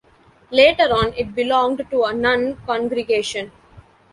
Later on, it belonged to a nun congregation.